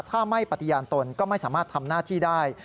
ถ้าไม่ปฏิญาณตนก็ไม่สามารถทำหน้าที่ได้